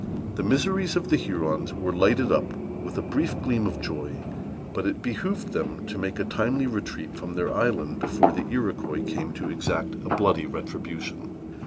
The miseries of the Hurons were lighted up with a brief gleam of joy; but it behooved them to make a timely retreat from their island before the Iroquois came to exact a bloody retribution.